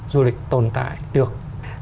du lịch tồn tại được